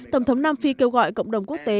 tổng thống nam phi kêu gọi cộng đồng quốc tế